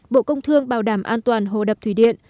bộ công thương bảo đảm an toàn hồ đập thủy điện